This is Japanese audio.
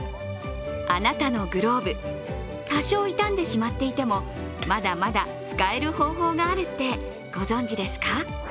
あなたのグローブ、多少傷んでしまっていてもまだまだ使える方法があるってご存じですか？